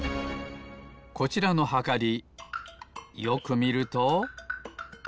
こちらのはかりよくみると。